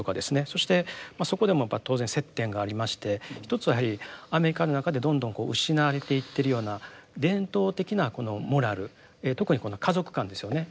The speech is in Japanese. そしてそこでも当然接点がありまして一つはやはりアメリカの中でどんどん失われていってるような伝統的なこのモラル特にこの家族観ですよね。